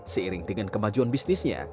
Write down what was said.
seiring dengan kemajuan bisnisnya